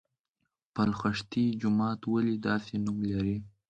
پل خشتي جومات ولې داسې نوم لري؟